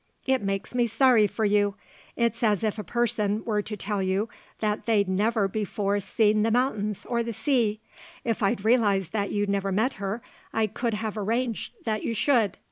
"It makes me sorry for you. It's as if a person were to tell you that they'd never before seen the mountains or the sea. If I'd realised that you'd never met her I could have arranged that you should.